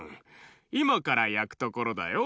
いまからやくところだよ。